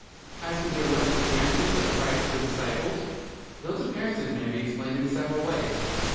As for the alleged appearances of Christ to the disciples, those appearances may be explained in several ways.